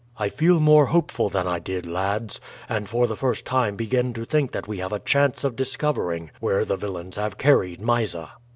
I feel more hopeful than I did, lads, and for the first time begin to think that we have a chance of discovering where the villains have carried Mysa."